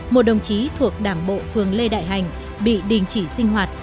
một đồng chí thuộc đảng bộ phường lê đại hành bị đình chỉ sinh hoạt